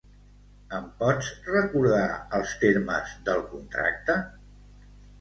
Em pots recordar els termes del contracte?